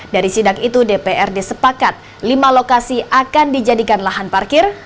dari sidak itu dprd sepakat lima lokasi akan dijadikan lahan parkir